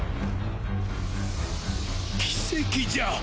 奇跡じゃ。